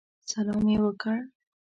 سلام یې وکړ.